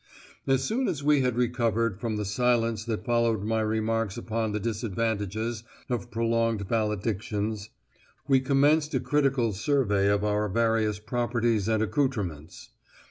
As soon as we had recovered from the silence that followed my remarks upon the disadvantages of prolonged valedictions, we commenced a critical survey of our various properties and accoutrements.